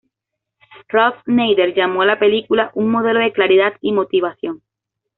Ralph Nader llamó a la película "un modelo de claridad y motivación".